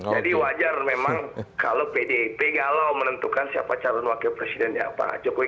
jadi wajar memang kalau pdip galau menentukan siapa caro laki presidennya pak jokowi